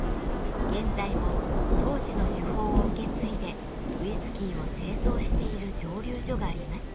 現在も当時の手法を受け継いでウイスキーを製造している蒸留所があります。